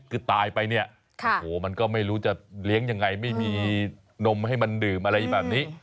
คือตายไปเนี่ยโอ้โหมันก็ไม่รู้จะเลี้ยงยังไงไม่มีนมให้มันดื่มอะไรแบบนี้